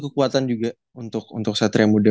kekuatan juga untuk satria muda